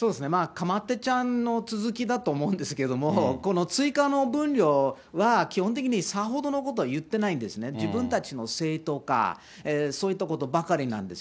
かまってちゃんの続きだと思うんですけども、この追加の分量は基本的にさほどのこと言ってないんですね、自分たちの正当化、そういったことばかりなんです。